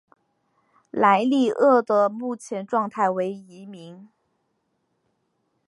莱利鳄的目前状态为疑名。